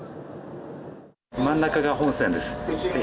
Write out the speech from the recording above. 真ん中が本船です。